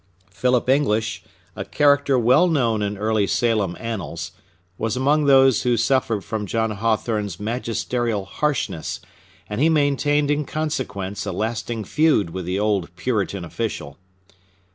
Philip English, a character well known in early Salem annals, was among those who suffered from John Hathorne's magisterial harshness, and he maintained in consequence a lasting feud with the old Puritan official.